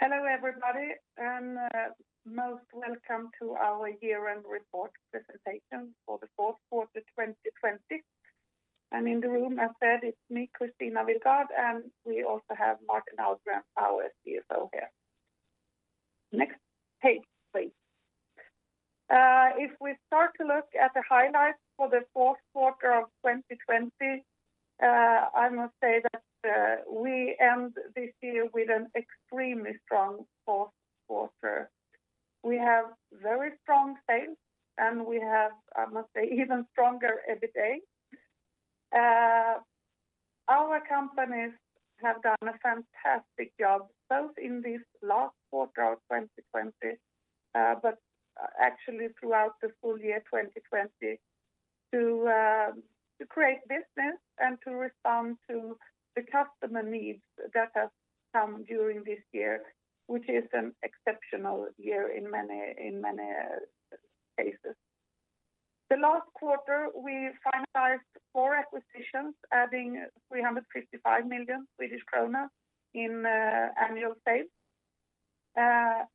Hello everybody, most welcome to our year-end report presentation for the fourth quarter 2020. In the room, as said, it's me, Kristina Willgård, and we also have Martin Almgren, our CFO here. Next page, please. If we start to look at the highlights for the fourth quarter of 2020, I must say that we end this year with an extremely strong fourth quarter. We have very strong sales and we have, I must say, even stronger EBITDA. Our companies have done a fantastic job, both in this last quarter of 2020, but actually throughout the full year 2020 to create business and to respond to the customer needs that have come during this year, which is an exceptional year in many cases. The last quarter, we finalized four acquisitions adding 355 million Swedish krona in annual sales.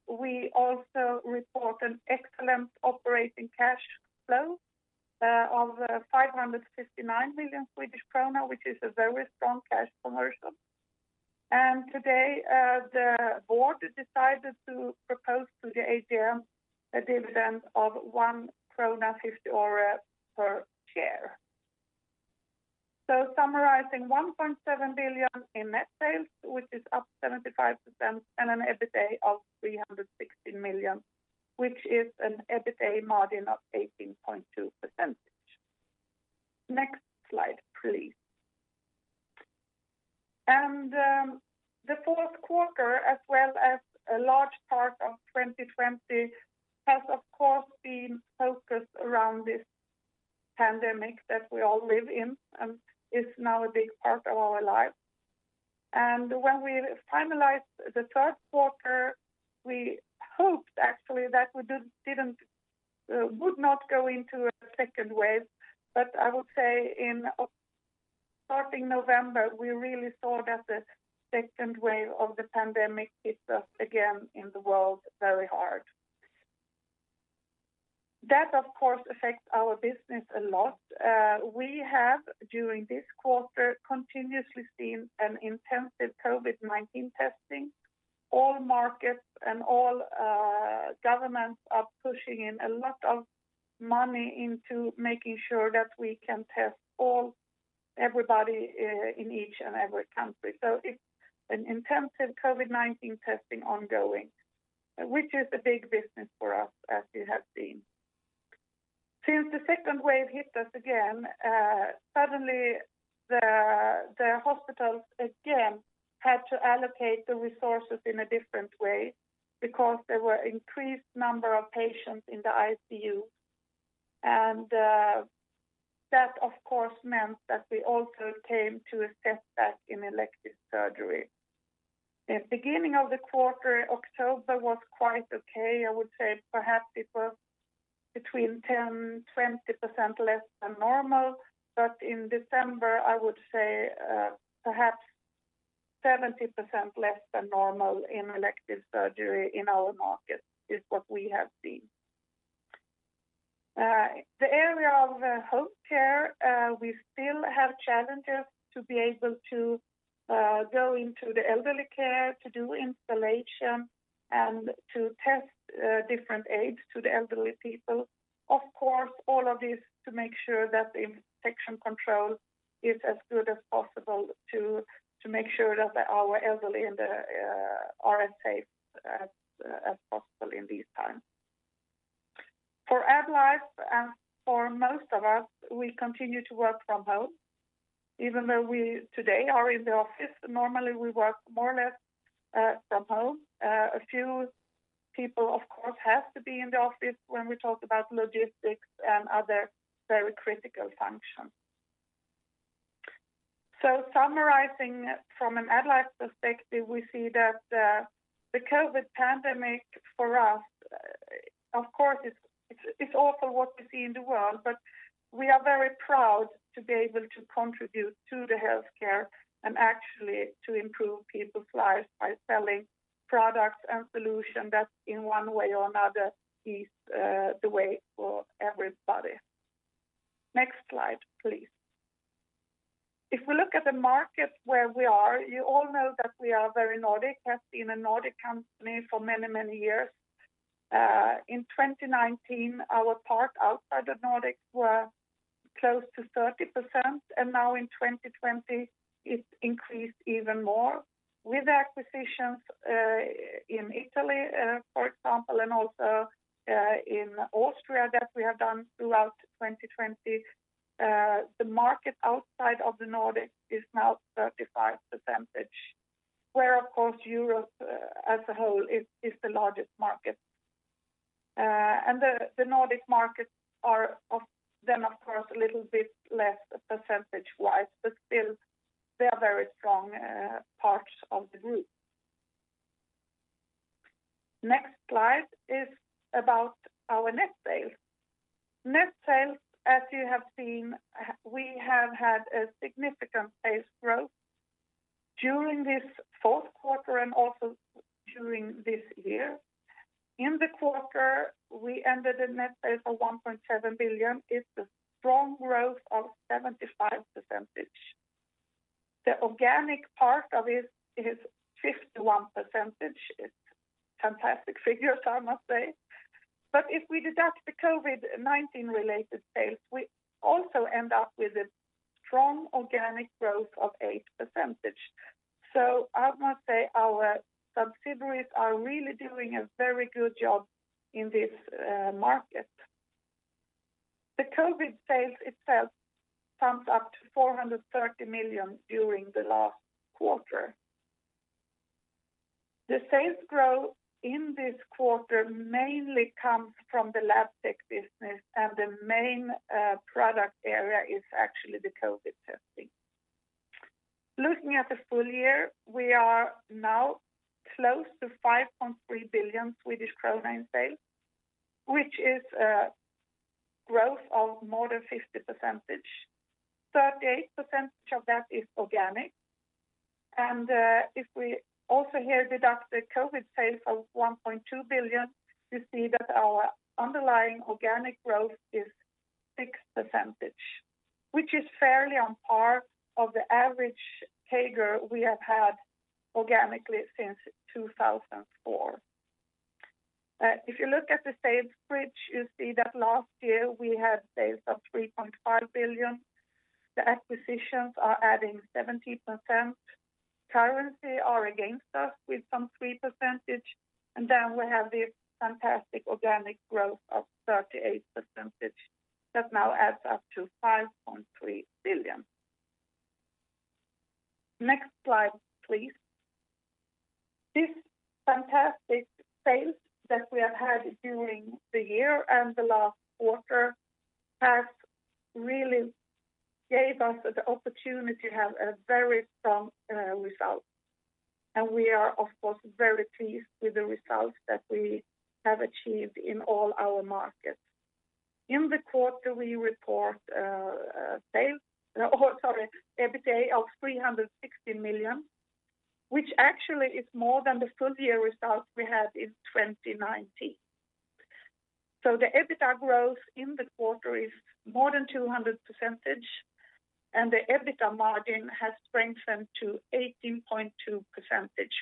We also report an excellent operating cash flow of 559 million Swedish krona, which is a very strong cash conversion. Today, the board decided to propose to the AGM a dividend of 1.50 krona per share. Summarizing, 1.7 billion in net sales, which is up 75%, an EBITDA of 316 million, which is an EBITDA margin of 18.2%. Next slide, please. The fourth quarter, as well as a large part of 2020, has, of course, been focused around this pandemic that we all live in and is now a big part of our lives. When we finalized the third quarter, we hoped actually that we would not go into a second wave. I would say in starting November, we really saw that the second wave of the pandemic hit us again in the world very hard. That, of course, affects our business a lot. We have, during this quarter, continuously seen an intensive COVID-19 testing. All markets and all governments are pushing in a lot of money into making sure that we can test everybody in each and every country. It's an intensive COVID-19 testing ongoing, which is a big business for us as you have seen. Since the second wave hit us again, suddenly the hospitals again had to allocate the resources in a different way because there were increased number of patients in the ICU. That, of course, meant that we also came to a setback in elective surgery. The beginning of the quarter, October was quite okay. I would say perhaps it was between 10%-20% less than normal. In December, I would say perhaps 70% less than normal in elective surgery in our markets is what we have seen. The area of home care, we still have challenges to be able to go into the elderly care to do installation and to test different aids to the elderly people. Of course, all of this to make sure that the infection control is as good as possible to make sure that our elderly are as safe as possible in these times. For AddLife and for most of us, we continue to work from home, even though we today are in the office. Normally, we work more or less from home. A few people, of course, have to be in the office when we talk about logistics and other very critical functions. Summarizing from an AddLife perspective, we see that the COVID pandemic for us, of course, it's awful what we see in the world, but we are very proud to be able to contribute to the healthcare and actually to improve people's lives by selling products and solutions that in one way or another ease the way for everybody. Next slide, please. If we look at the market where we are, you all know that we are very Nordic, have been a Nordic company for many years. In 2019, our part outside of Nordic were close to 30%, and now in 2020, it increased even more with acquisitions in Italy, for example, and also in Austria that we have done throughout 2020. The market outside of the Nordic is now 35%, where, of course, Europe as a whole is the largest market. The Nordic markets are of them, of course, a little bit less percentage-wise, but still they are very strong parts of the group. Next slide is about our net sales. Net sales, as you have seen, we have had a significant sales growth during this fourth quarter and also during this year. In the quarter, we ended in net sales of 1.7 billion. It's a strong growth of 75%. The organic part of it is 51%. It's fantastic figures, I must say. If we deduct the COVID-19 related sales, we also end up with a strong organic growth of 8%. I must say our subsidiaries are really doing a very good job in this market. The COVID sales itself sums up to 430 million during the last quarter. The sales growth in this quarter mainly comes from the Labtech business, and the main product area is actually the COVID testing. Looking at the full year, we are now close to 5.3 billion Swedish krona in sales, which is a growth of more than 50%. 38% of that is organic. If we also here deduct the COVID sales of 1.2 billion, you see that our underlying organic growth is 6%. Which is fairly on par of the average CAGR we have had organically since 2004. If you look at the sales bridge, you see that last year we had sales of 3.5 billion. The acquisitions are adding 70%. Currency are against us with some 3%, and then we have this fantastic organic growth of 38% that now adds up to 5.3 billion. Next slide, please. This fantastic sales that we have had during the year and the last quarter has really gave us the opportunity to have a very strong result, and we are of course very pleased with the results that we have achieved in all our markets. In the quarter, we report EBITDA of 360 million, which actually is more than the full year results we had in 2019. The EBITDA growth in the quarter is more than 200%, and the EBITDA margin has strengthened to 18.2%,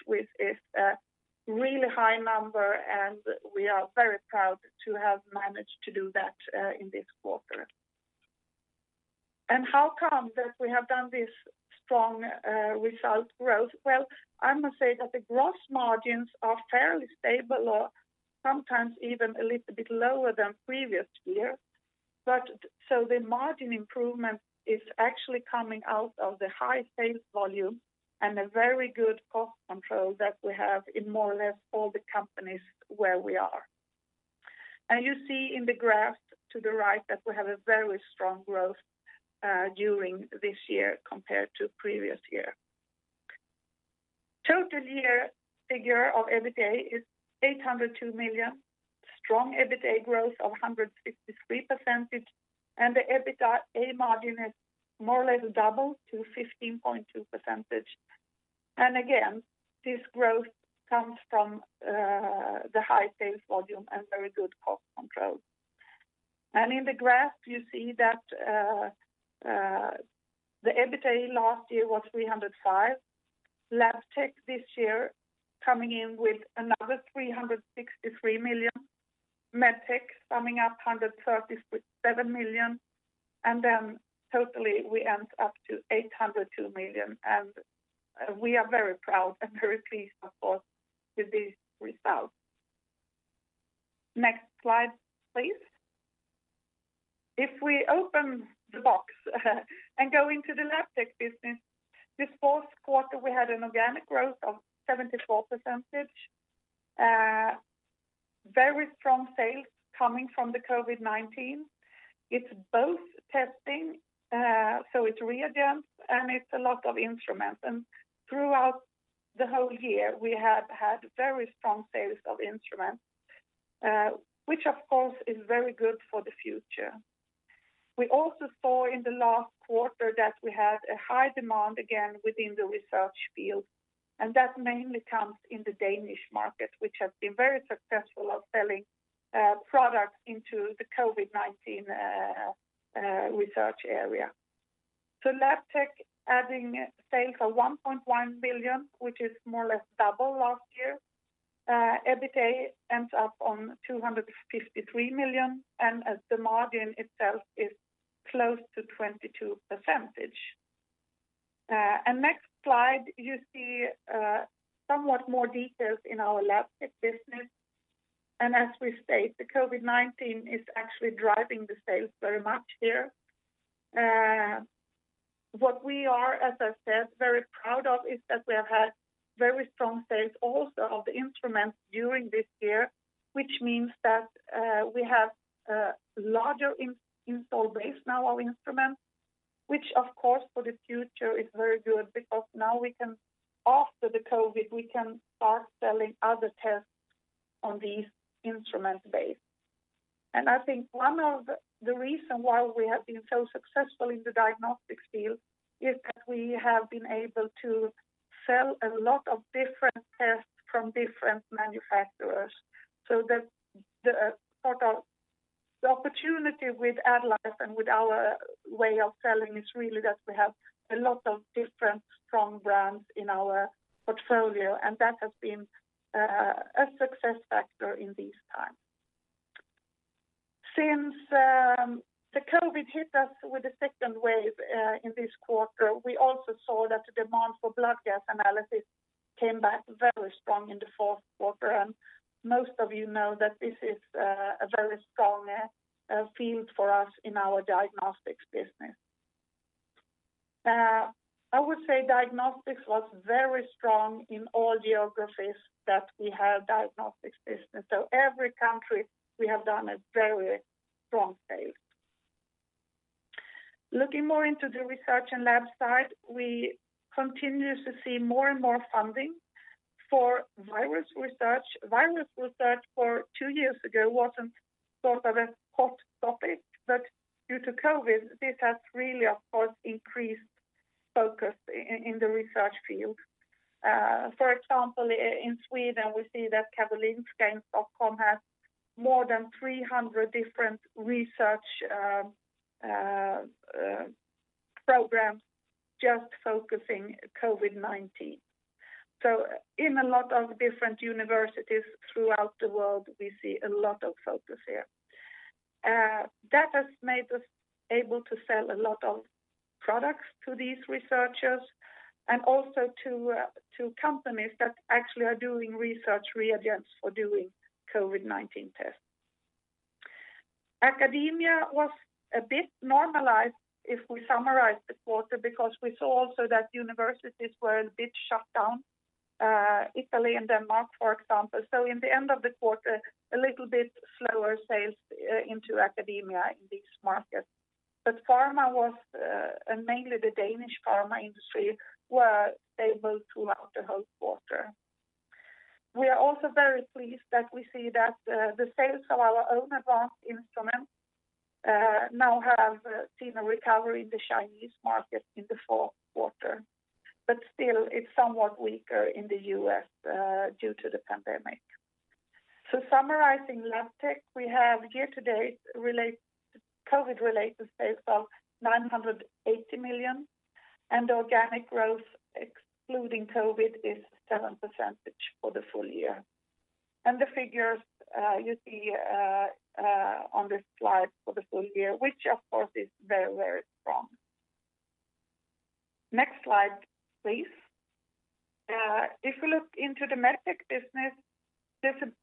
which is a really high number, and we are very proud to have managed to do that in this quarter. How come that we have done this strong result growth? Well, I must say that the gross margins are fairly stable or sometimes even a little bit lower than previous year. The margin improvement is actually coming out of the high sales volume and a very good cost control that we have in more or less all the companies where we are. You see in the graph to the right that we have a very strong growth during this year compared to previous year. Total year figure of EBITDA is 802 million. Strong EBITDA growth of 163%, the EBITDA margin is more or less double to 15.2%. Again, this growth comes from the high sales volume and very good cost control. In the graph you see that the EBITDA last year was 305 million. Labtech this year coming in with another 363 million. Medtech summing up 137 million. Totally we end up to 802 million, we are very proud and very pleased, of course, with these results. Next slide, please. If we open the box and go into the Labtech business, this fourth quarter, we had an organic growth of 74%. Very strong sales coming from the COVID-19. It's both testing, so it's reagents and it's a lot of instruments. Throughout the whole year we have had very strong sales of instruments, which of course is very good for the future. We also saw in the last quarter that we had a high demand again within the research field, and that mainly comes in the Danish market, which has been very successful at selling products into the COVID-19 research area. Labtech adding sales of 1.1 billion, which is more or less double last year. EBITDA ends up on 253 million, and the margin itself is close to 22%. Next slide, you see somewhat more details in our Labtech business. As we state, the COVID-19 is actually driving the sales very much here. What we are, as I said, very proud of is that we have had very strong sales also of instruments during this year, which means that we have a larger install base now of instruments, which, of course, for the future is very good because now after the COVID, we can start selling other tests on these instrument base. I think one of the reasons why we have been so successful in the diagnostics field is that we have been able to sell a lot of different tests from different manufacturers, so that the opportunity with AddLife and with our way of selling is really that we have a lot of different strong brands in our portfolio, and that has been a success factor in this time. Since the COVID-19 hit us with the second wave in this quarter, we also saw that the demand for blood gas analysis came back very strong in the fourth quarter, and most of you know that this is a very strong field for us in our diagnostics business. I would say diagnostics was very strong in all geographies that we have diagnostics business. Every country, we have done a very strong sale. Looking more into the research and lab side, we continue to see more and more funding for virus research. Virus research for two years ago wasn't sort of a hot topic, but due to COVID-19, this has really, of course, increased focus in the research field. For example, in Sweden, we see that Karolinska in Stockholm has more than 300 different research programs just focusing COVID-19. In a lot of different universities throughout the world, we see a lot of focus here. That has made us able to sell a lot of products to these researchers and also to companies that actually are doing research reagents for doing COVID-19 tests. Academia was a bit normalized if we summarize the quarter because we saw also that universities were a bit shut down, Italy and Denmark, for example. In the end of the quarter, a little bit slower sales into academia in these markets. Mainly the Danish pharma industry were stable throughout the whole quarter. We are also very pleased that we see that the sales of our own advanced instruments now have seen a recovery in the Chinese market in the fourth quarter. Still, it's somewhat weaker in the U.S. due to the pandemic. Summarizing Labtech, we have year-to-date COVID-related sales of 980 million and organic growth excluding COVID is 7% for the full year. The figures you see on this slide for the full year, which of course is very, very strong. Next slide, please. If you look into the Medtech business, it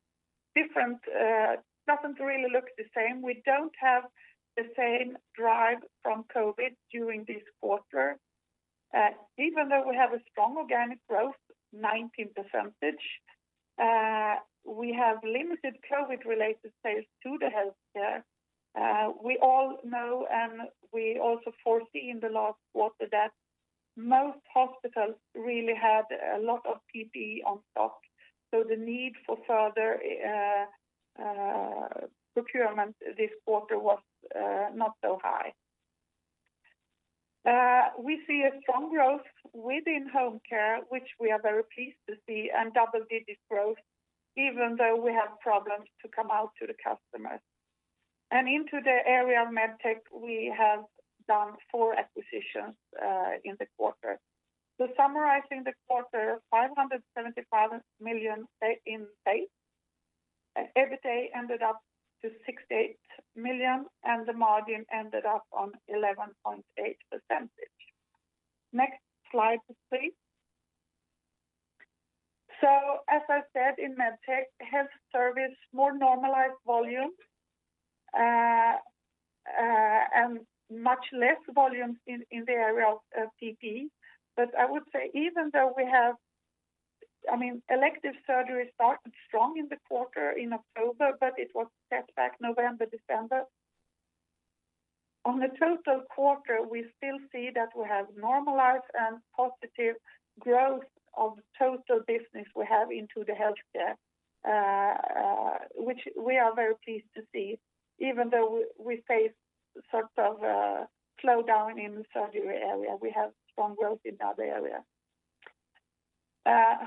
doesn't really look the same. We don't have the same drive from COVID during this quarter. Even though we have a strong organic growth, 19%, we have limited COVID-related sales to the healthcare. We all know, and we also foresee in the last quarter that most hospitals really had a lot of PPE on stock, so the need for further procurement this quarter was not so high. We see a strong growth within home care, which we are very pleased to see, double-digit growth even though we have problems to come out to the customers. Into the area of Medtech, we have done four acquisitions in the quarter. Summarizing the quarter, 575 million in sales. EBITDA ended up to 68 million, and the margin ended up on 11.8%. Next slide, please. As I said, in Medtech, health service, more normalized volume and much less volume in the area of PPE. I would say even though elective surgery started strong in the quarter in October, but it was set back November, December. On the total quarter, we still see that we have normalized and positive growth of total business we have into the healthcare, which we are very pleased to see. Even though we face sort of a slowdown in the surgery area, we have strong growth in that area.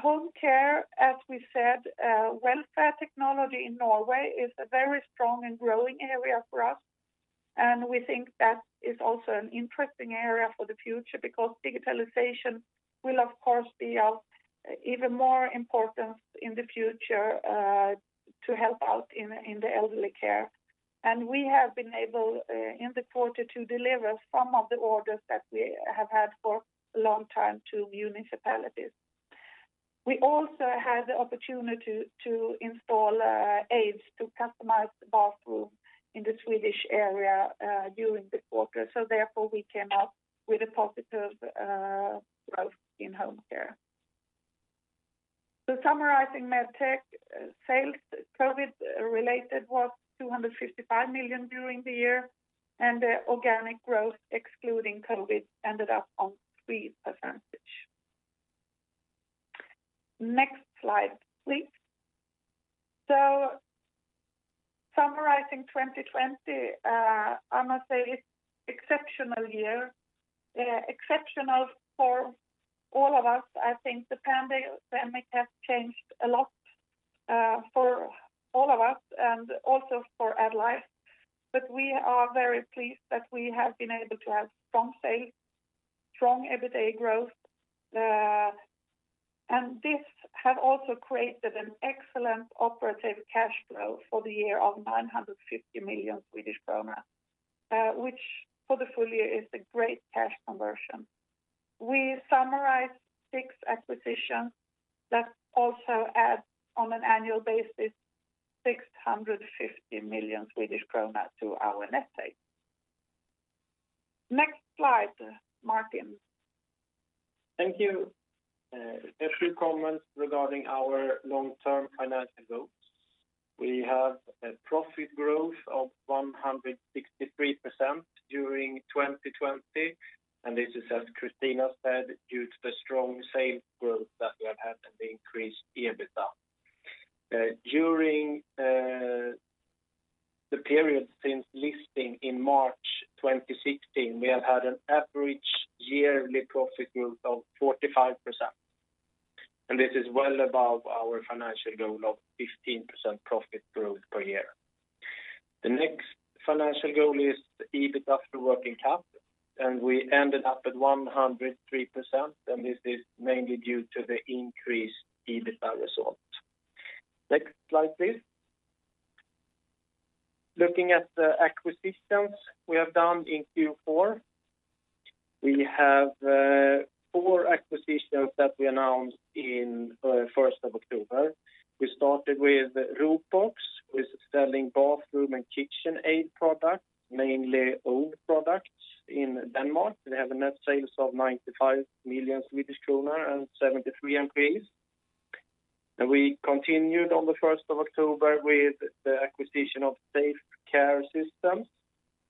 Home care, as we said, welfare technology in Norway is a very strong and growing area for us, and we think that is also an interesting area for the future because digitalization will, of course, be of even more importance in the future to help out in the elderly care. We have been able, in the quarter, to deliver some of the orders that we have had for a long time to municipalities. We also had the opportunity to install aids to customize the bathroom in the Swedish area during the quarter. Therefore, we came out with a positive growth in home care. Summarizing Medtech sales, COVID related was 255 million during the year, and the organic growth excluding COVID ended up on 3%. Next slide, please. Summarizing 2020, I must say it's exceptional year. Exceptional for all of us. I think the pandemic has changed a lot for all of us and also for AddLife. We are very pleased that we have been able to have strong sales, strong EBITDA growth. This has also created an excellent operative cash flow for the year of 950 million Swedish krona, which for the full year is a great cash conversion. We summarized six acquisitions that also adds on an annual basis 650 million Swedish kronor to our net sales. Next slide, Martin. Thank you. A few comments regarding our long-term financial goals. We have a profit growth of 163% during 2020. This is, as Kristina said, due to the strong sales growth that we have had and the increased EBITDA. During the period since listing in March 2016, we have had an average yearly profit growth of 45%. This is well above our financial goal of 15% profit growth per year. The next financial goal is the EBIT after working cap. We ended up at 103%. This is mainly due to the increased EBITDA result. Next slide, please. Looking at the acquisitions we have done in Q4. We have four acquisitions that we announced in 1st of October. We started with Ropox, who is selling bathroom and kitchen aid products, mainly OIP products in Denmark. They have a net sales of 95 million Swedish kronor and 73 employees. We continued on the 1st of October with the acquisition of Zafe Care Systems.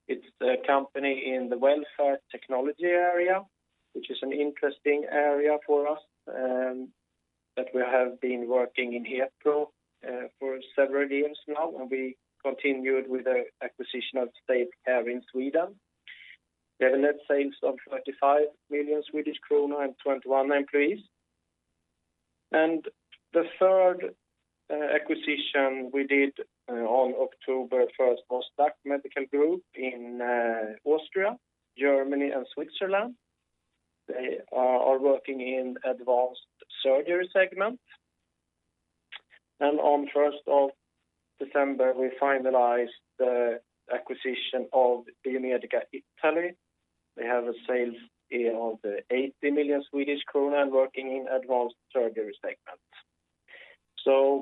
It's a company in the welfare technology area, which is an interesting area for us, that we have been working in Hepro for several years now, and we continued with the acquisition of Zafe Care in Sweden. They have a net sales of 25 million Swedish kronor and 21 employees. The third acquisition we did on October 1st was DACH Medical Group in Austria, Germany and Switzerland. They are working in advanced surgery segment. On 1st of December, we finalized the acquisition of Biomedica Italia. They have a sales of 80 million Swedish krona and working in advanced surgery segment.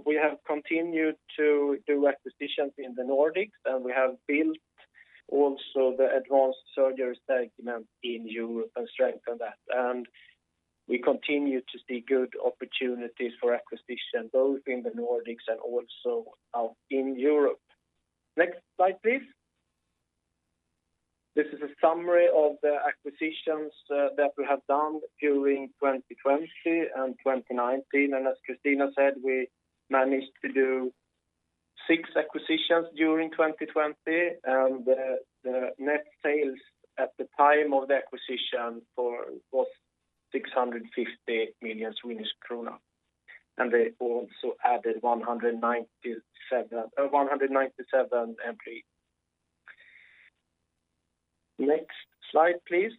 We have continued to do acquisitions in the Nordics, and we have built also the advanced surgery segment in Europe and strengthen that. We continue to see good opportunities for acquisition, both in the Nordics and also out in Europe. Next slide, please. This is a summary of the acquisitions that we have done during 2020 and 2019. As Kristina said, we managed to do six acquisitions during 2020. The net sales at the time of the acquisition for was 650 million Swedish krona. They also added 197 employees. Next slide, please.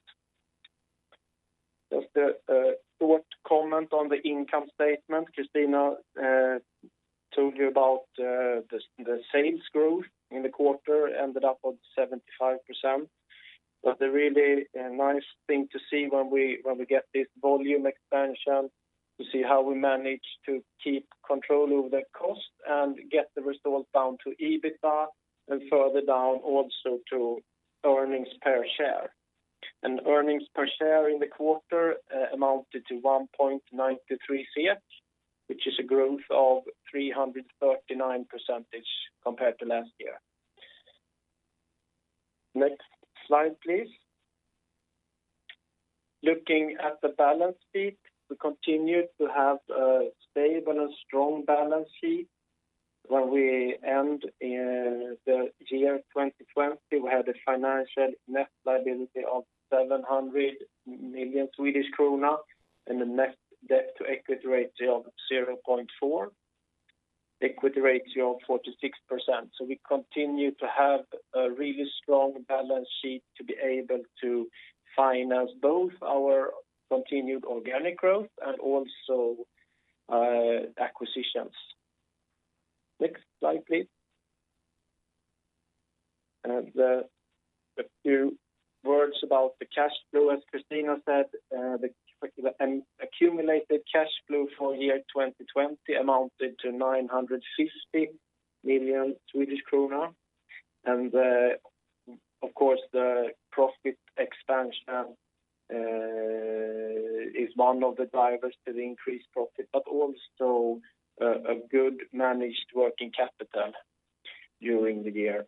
Just a short comment on the income statement. Kristina told you about the sales growth in the quarter ended up at 75%. The really nice thing to see when we get this volume expansion, to see how we manage to keep control over the cost and get the results down to EBITDA and further down also to earnings per share. Earnings per share in the quarter amounted to 1.93, which is a growth of 339% compared to last year. Next slide, please. Looking at the balance sheet, we continued to have a stable and strong balance sheet. When we end 2020, we had a financial net liability of 700 million Swedish krona and a net debt to equity ratio of 0.4. Equity ratio of 46%. We continue to have a really strong balance sheet to be able to finance both our continued organic growth and also acquisitions. Next slide, please. A few words about the cash flow. As Kristina said, the accumulated cash flow for 2020 amounted to 950 million Swedish kronor. Of course, the profit expansion is one of the drivers to the increased profit, but also a good managed working capital during the year.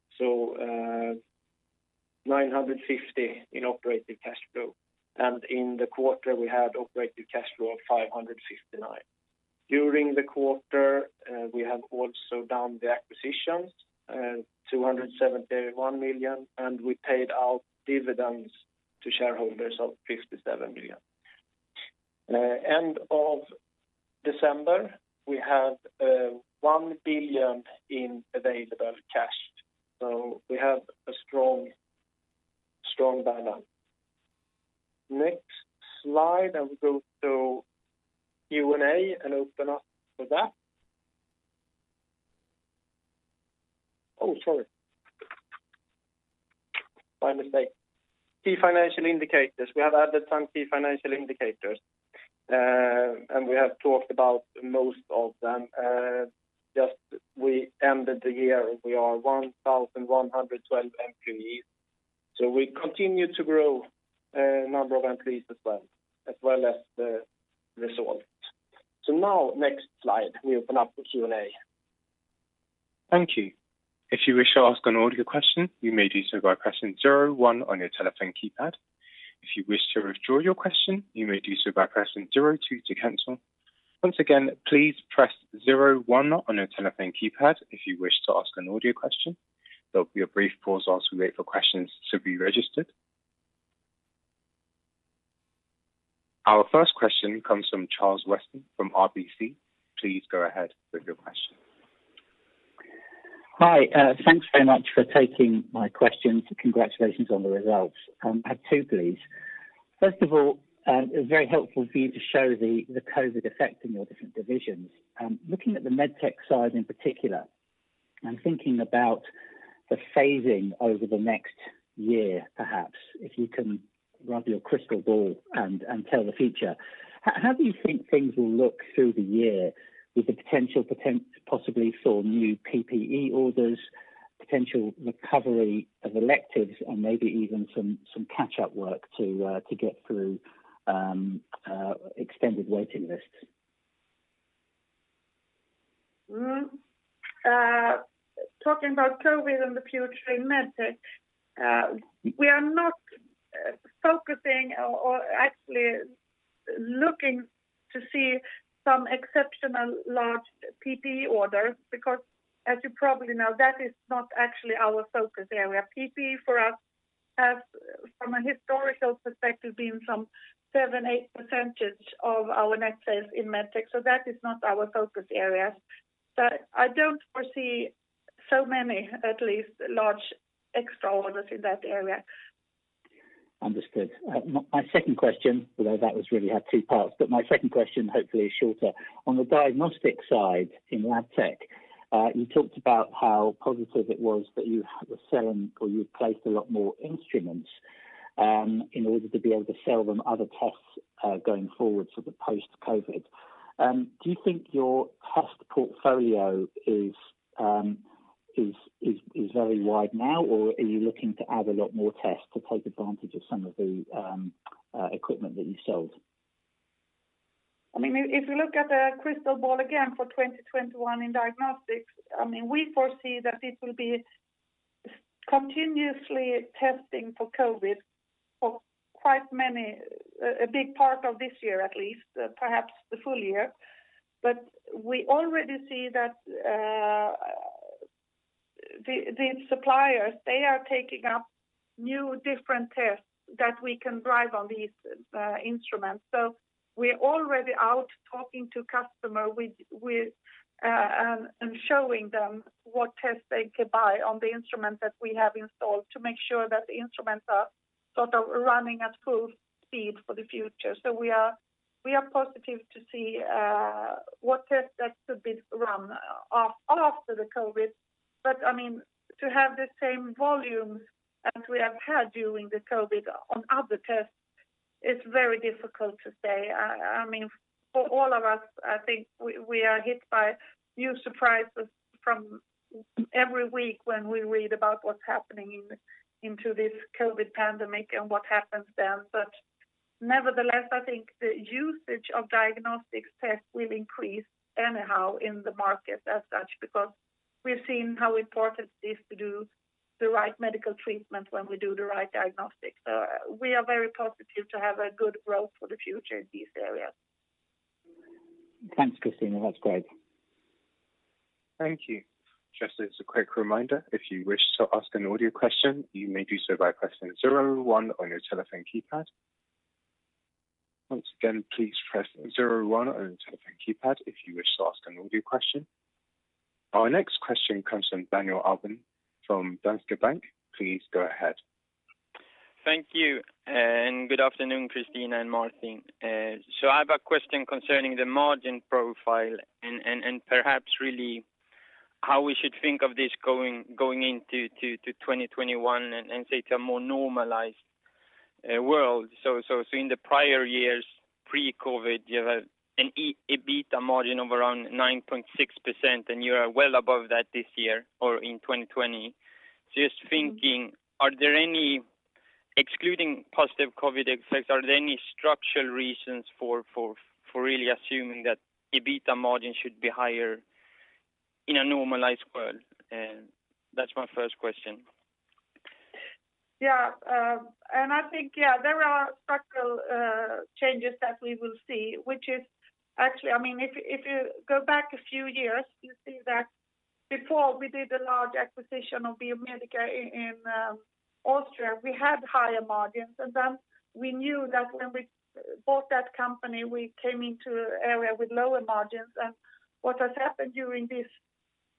950 million in operating cash flow. In the quarter we had operating cash flow of 559 million. During the quarter, we have also done the acquisitions, 271 million, and we paid out dividends to shareholders of 57 million. End of December, we have 1 billion in available cash. We have a strong balance. Next slide. We go to Q&A and open up for that. Oh, sorry. My mistake. Key financial indicators. We have added some key financial indicators, and we have talked about most of them. Just we ended the year, we are 1,112 employees. We continue to grow number of employees as well as the results. Now, next slide, we open up for Q&A. Thank you. If you wish to ask an audio question, you may do so by pressing zero one on your telephone keypad. If you wish to withdraw your question, you may do so by pressing zero two to cancel. Once again, please press zero one on your telephone keypad if you wish to ask an audio question. There will be a brief pause when it is registered. Our first question comes from Charles Weston from RBC. Please go ahead with your question. Hi. Thanks very much for taking my questions. Congratulations on the results. I have two, please. First of all, it was very helpful for you to show the COVID-19 effect in your different divisions. Looking at the Medtech side in particular and thinking about the phasing over the next year, perhaps, if you can rub your crystal ball and tell the future, how do you think things will look through the year with the potential possibly for new PPE orders, potential recovery of electives, and maybe even some catch-up work to get through extended waiting lists? Talking about COVID-19 and the future in Medtech, we are not focusing or actually looking to see some exceptional large PPE orders because as you probably know, that is not actually our focus area. PPE for us has, from a historical perspective, been some 7%-8% of our net sales in Medtech. That is not our focus area. I don't foresee so many at least large extra orders in that area. Understood. My second question, although that really had two parts, but my second question hopefully is shorter. On the diagnostic side in Labtech, you talked about how positive it was that you were selling or you placed a lot more instruments in order to be able to sell them other tests going forward, so the post-COVID. Do you think your test portfolio is very wide now, or are you looking to add a lot more tests to take advantage of some of the equipment that you sold? If we look at the crystal ball again for 2021 in diagnostics, we foresee that it will be continuously testing for COVID for a big part of this year at least, perhaps the full year. We already see that the suppliers, they are taking up new different tests that we can drive on these instruments. We are already out talking to customer and showing them what tests they could buy on the instrument that we have installed to make sure that the instruments are sort of running at full speed for the future. We are positive to see what tests that could be run after the COVID. To have the same volumes as we have had during the COVID on other tests, it's very difficult to say. For all of us, I think we are hit by new surprises from every week when we read about what's happening into this COVID pandemic and what happens then. Nevertheless, I think the usage of diagnostic tests will increase anyhow in the market as such, because we've seen how important it is to do the right medical treatment when we do the right diagnostic. We are very positive to have a good growth for the future in these areas. Thanks, Kristina. That's great. Thank you. Just as a quick reminder, if you wish to ask an an audio question, you may do so by pressing zero one on your telephone keypad. Once again, please press zero one on your telephone keypad if you wish to ask an audio question. Our next question comes from Daniel Albin from Danske Bank. Please go ahead. Thank you, and good afternoon, Kristina and Martin. I have a question concerning the margin profile, and perhaps really how we should think of this going into 2021 and say to a more normalized world. In the prior years, pre-COVID, you have an EBITDA margin of around 9.6%, and you are well above that this year or in 2020. Just thinking, excluding positive COVID effects, are there any structural reasons for really assuming that EBITDA margin should be higher in a normalized world? That's my first question. Yeah. I think there are structural changes that we will see, which is actually, if you go back a few years, you see that before we did a large acquisition of Biomedica in Austria, we had higher margins. We knew that when we bought that company, we came into an area with lower margins. What has happened during these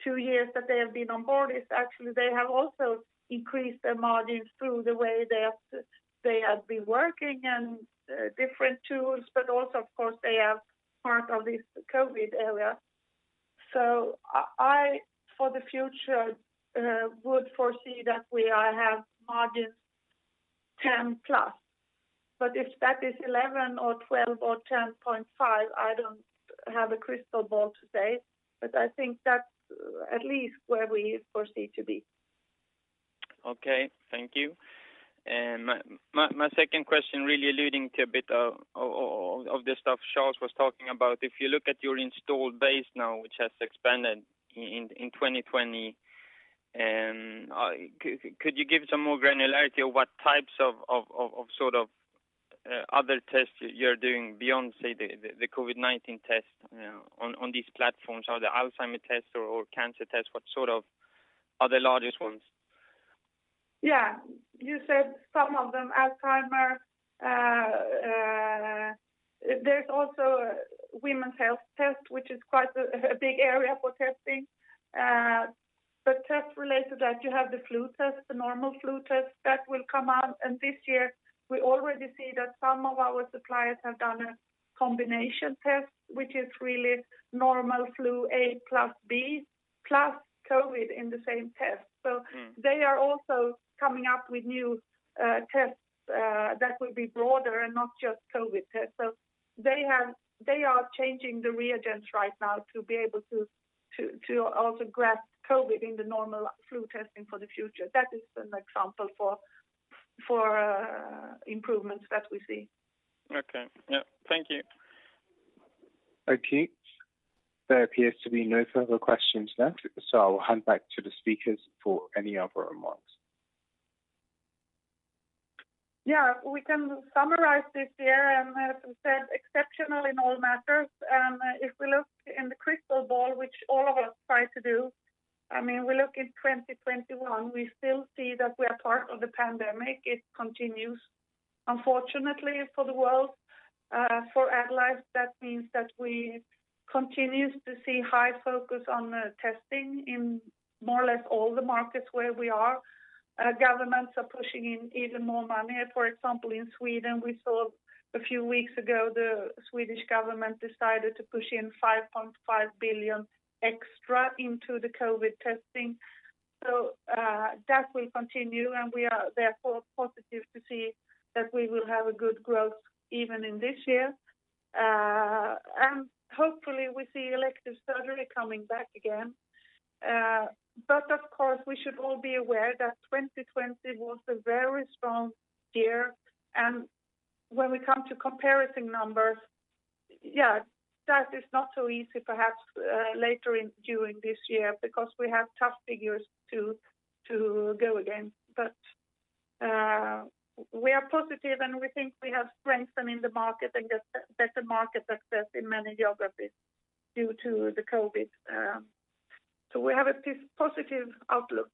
two years that they have been on board is actually they have also increased their margins through the way they have been working and different tools, but also, of course, they are part of this COVID area. I, for the future, would foresee that we have margins 10 plus, but if that is 11 or 12 or 10.5, I don't have a crystal ball to say, but I think that's at least where we foresee to be. Okay. Thank you. My second question, really alluding to a bit of the stuff Charles was talking about, if you look at your installed base now, which has expanded in 2020, could you give some more granularity of what types of other tests you're doing beyond, say, the COVID-19 test on these platforms? Are there Alzheimer tests or cancer tests? What sort of are the largest ones? Yeah. You said some of them, Alzheimer's. There's also women's health test, which is quite a big area for testing. Tests related that you have the flu test, the normal flu test that will come out. This year, we already see that some of our suppliers have done a combination test, which is really normal flu A plus B plus COVID in the same test. They are also coming up with new tests that will be broader and not just COVID tests. They are changing the reagents right now to be able to also grasp COVID in the normal flu testing for the future. That is an example of improvements that we see. Okay. Yep. Thank you. Okay. There appears to be no further questions now. I'll hand back to the speakers for any other remarks. Yeah. We can summarize this year, as we said, exceptional in all matters. If we look in the crystal ball, which all of us try to do, we look in 2021, we still see that we are part of the pandemic. It continues, unfortunately for the world. For AddLife, that means that we continue to see high focus on the testing in more or less all the markets where we are. Governments are pushing in even more money. For example, in Sweden, we saw a few weeks ago, the Swedish government decided to push in 5.5 billion extra into the COVID testing. That will continue, we are therefore positive to see that we will have a good growth even in this year. Hopefully we see elective surgery coming back again. Of course, we should all be aware that 2020 was a very strong year, and when we come to comparison numbers, that is not so easy perhaps later during this year because we have tough figures to go against. We are positive, and we think we have strengthened in the market and get better market success in many geographies due to the COVID-19. We have a positive outlook.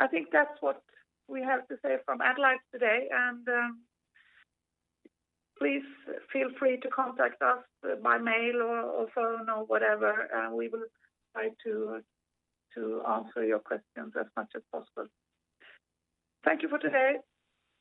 I think that's what we have to say from AddLife today, and please feel free to contact us by mail or phone or whatever, and we will try to answer your questions as much as possible. Thank you for today.